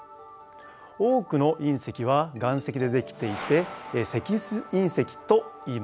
多くのいん石は岩石でできていて「石質いん石」といいます。